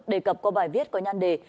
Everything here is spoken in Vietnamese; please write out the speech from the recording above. đề cập qua bài viết có nhăn đề